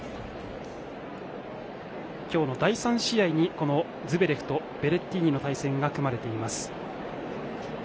今日の第３試合にズベレフとベレッティーニの試合が組まれています。